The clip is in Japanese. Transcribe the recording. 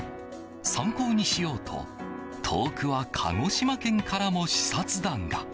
参考にしようと遠くは鹿児島県からも視察団が。